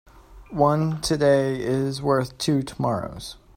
One today is worth two tomorrows.